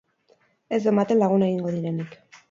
Ez du ematen lagun egingo direnik.